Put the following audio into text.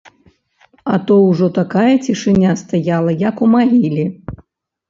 А то ўжо такая цішыня стаяла, як у магіле.